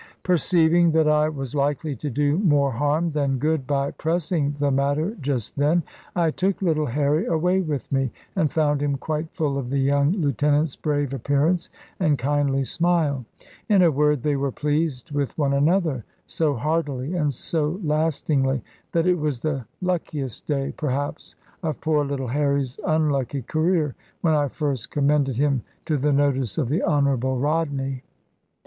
Perceiving that I was likely to do more harm than good by pressing the matter just then, I took little Harry away with me, and found him quite full of the young lieutenant's brave appearance and kindly smile. In a word, they were pleased with one another so heartily, and so lastingly, that it was the luckiest day, perhaps, of poor little Harry's unlucky career, when I first commended him to the notice of the Honourable Rodney.